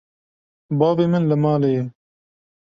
Bavê min li malê ye.